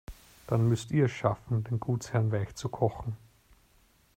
Dann müsst ihr es schaffen, den Gutsherren weichzukochen.